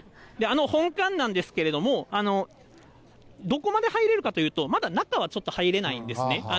本館なんですけれども、どこまで入れるかというと、まだ中はちょっと入れないんですね。